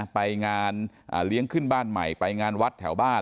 ไปงานเลี้ยงขึ้นบ้านใหม่ไปงานวัดแถวบ้าน